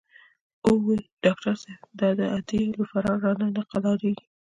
او وې ئې " ډاکټر صېب د اډې لوفران رانه نۀ قلاریږي